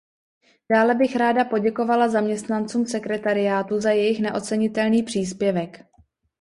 Dále bych ráda poděkovala zaměstnancům sekretariátů za jejich neocenitelný příspěvek.